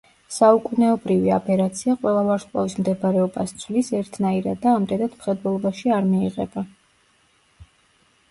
საუკუნეობრივი აბერაცია ყველა ვარსკვლავის მდებარეობას ცვლის ერთნაირად და ამდენად მხედველობაში არ მიიღება.